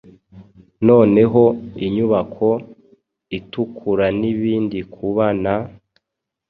Noneho inyubako itukuranibindikuba na